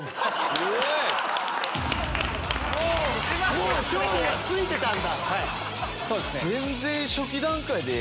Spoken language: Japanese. もう勝負はついてたんだ。